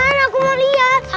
ayo cepetan aku mau liat